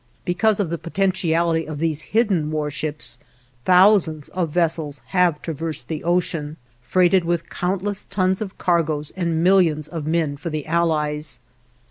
Because of the potentiality of these hidden warships, thousands of vessels have traversed the ocean, freighted with countless tons of cargoes and millions of men for the Allies.